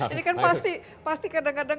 ini kan pasti kadang kadang